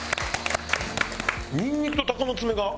ニンニクと鷹の爪が。